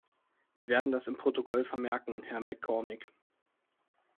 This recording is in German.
Wir werden das im Protokoll vermerken, Herr MacCormick.